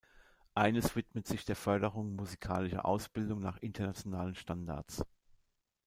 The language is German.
Eines widmet sich der Förderung musikalischer Ausbildung nach internationalen Standards.